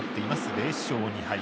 ０勝２敗。